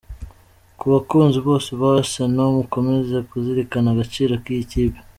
Ku bakunzi bose ba Arsenal, mukomeze kuzirikana agaciro k’iyi kipe.